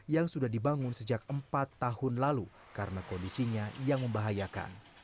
yang sudah dibangun sejak empat tahun lalu karena kondisinya yang membahayakan